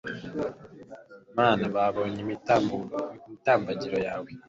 Mana babonye imitambagiro yawe